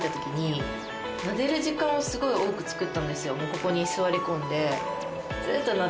ここに座り込んで。